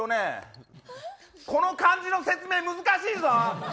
この感じの説明難しいぞ。